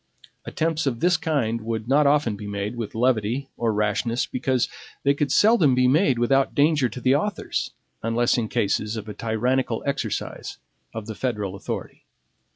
Attempts of this kind would not often be made with levity or rashness, because they could seldom be made without danger to the authors, unless in cases of a tyrannical exercise of the federal authority.